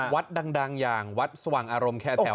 วัดดังอย่างวัดสว่างอารมณ์แคร์แถว